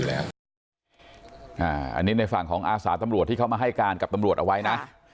อันนี้ในฝั่งของอาสาตำรวจที่เขามาให้การกับตำรวจเอาไว้นะ